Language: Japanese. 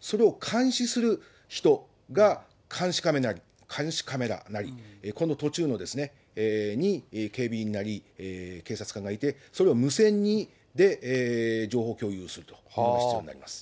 それを監視する人、監視カメラなり、この途中に警備員なり、警察官がいて、それを無線で情報共有するというのが必要になります。